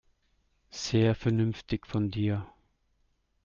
Sehr vernünftig von dir.